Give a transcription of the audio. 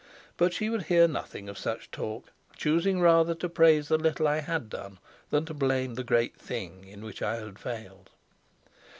But she would hear nothing of such talk, choosing rather to praise the little I had done than to blame the great thing in which I had failed.